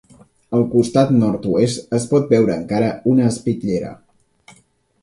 Al costat nord-oest es pot veure encara una espitllera.